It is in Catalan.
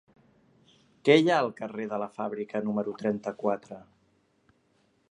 Què hi ha al carrer de la Fàbrica número trenta-quatre?